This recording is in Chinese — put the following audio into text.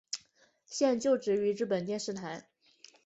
现就职于日本电视台。